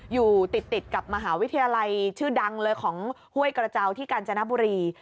อยู่ติดกับมหาวิทยาลัยชื่อดังเลยของห้วยกระเจ้าที่กาญจนบุรี